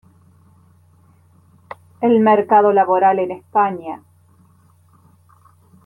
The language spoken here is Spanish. El mercado laboral en España.